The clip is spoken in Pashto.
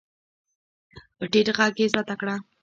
په ټيټ غږ يې زياته کړه.